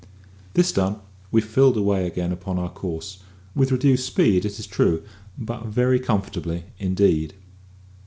This done, we filled away again upon our course, with reduced speed, it is true, but very comfortably indeed.